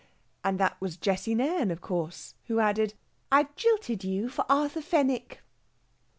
And that was Jessie Nairn, of course, who added, "I've jilted you for Arthur Fenwick."